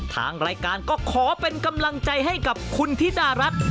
ทางรายการก็ขอเป็นกำลังใจให้กับคุณธิดารัฐ